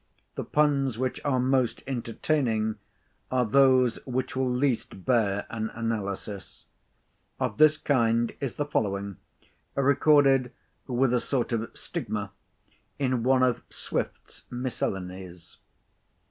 The puns which are most entertaining are those which will least bear an analysis. Of this kind is the following, recorded, with a sort of stigma, in one of Swift's Miscellanies.